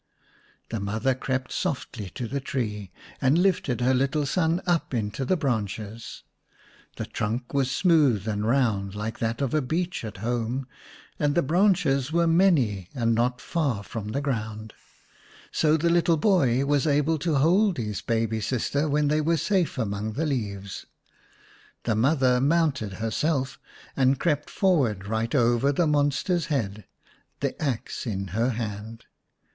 The mother crept softly to the tree and lifted her little son up into the branches. The trunk 75 The Three Little Eggs VH was smooth and round like that of a beech at home, and the branches were many and not far from the ground. So the little boy was able to hold his baby sister when they were safe among the leaves ; the mother mounted herself and crept forward right over the monster's head, the axe in her hand.